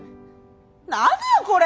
何よこれ！